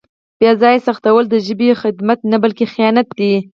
بې ځایه سختول د ژبې خدمت نه بلکې خیانت دی.